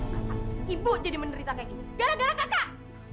kakak ibu jadi menderita kayak gini gara gara kakak